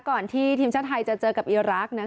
ก่อนที่ทีมชาติไทยจะเจอกับอีรักษ์